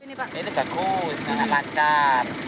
ini bagus sangat lancar